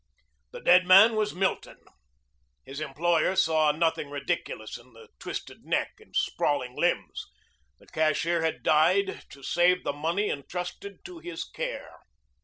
The dead man was Milton. His employer saw nothing ridiculous in the twisted neck and sprawling limbs. The cashier had died to save the money entrusted to his care.